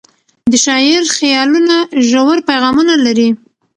د شاعر خیالونه ژور پیغامونه لري.